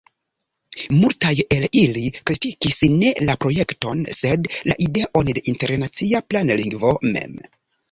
Multaj el ili kritikis ne la projekton, sed la ideon de internacia planlingvo mem.